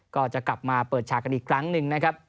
ก็จะกลับมาเปิดฉากกันอีกครั้งหนึ่งนะครับ